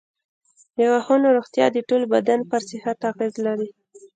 د غاښونو روغتیا د ټول بدن پر صحت اغېز لري.